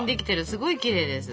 すごいきれいです。